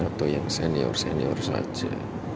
atau yang senior senior saja